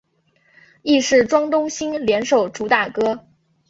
亦是庄冬昕联手主打歌。